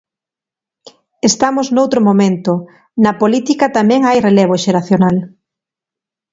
Estamos noutro momento; na política tamén hai relevo xeracional.